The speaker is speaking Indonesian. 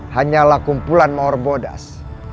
hanyalah kumpulan maor bodas